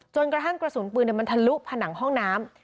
กระทั่งกระสุนปืนมันทะลุผนังห้องน้ำ